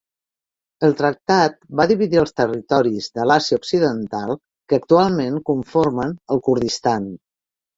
El tractat va dividir els territoris de l'Àsia occidental que actualment conformen el Kurdistan.